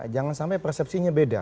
jangan sampai persepsinya beda